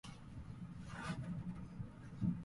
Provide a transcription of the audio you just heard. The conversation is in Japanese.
ぷよぷよするな！